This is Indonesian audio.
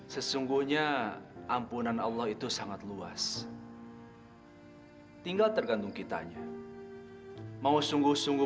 sesungguhnya ampunan allah itu sangat luas tinggal tergantung kitanya mau sungguh sungguh